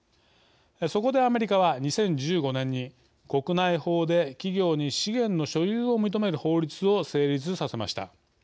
そこで、アメリカは２０１５年に国内法で企業に資源の所有を認める法律を成立させました。